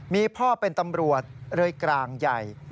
มีพ่อเป็นตำรวจเลยกลางใหญ่